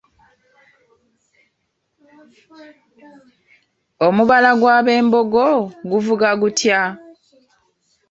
Omubala gw’abembogo guvuga gutya?